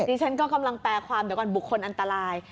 ดิฉันก็กำลังแปลความบุคคลอันตราย